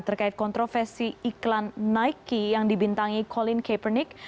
terkait kontroversi iklan nike yang dibintangi colin kepernic